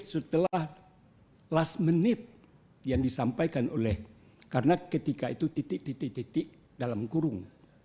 setelah last minute yang disampaikan oleh karena ketika itu titik titik titik dalam kurung